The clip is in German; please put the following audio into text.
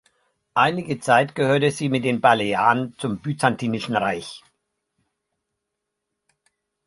Einige Zeit gehörte sie mit den Balearen zum Byzantinischen Reich.